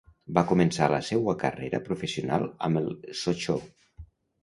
Va començar la seua carrera professional amb el Sochaux.